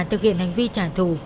thực hiện hành vi trả thù